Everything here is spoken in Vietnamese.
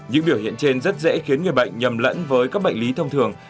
những biểu hiện trên rất dễ khiến người bệnh nhầm lẫn với các bệnh lý thông thường